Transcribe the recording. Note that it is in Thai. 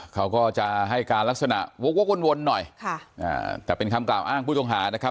เขาก็จะให้การลักษณะวกวกวนหน่อยค่ะอ่าแต่เป็นคำกล่าวอ้างผู้ต้องหานะครับ